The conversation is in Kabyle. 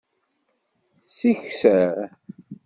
Sikser.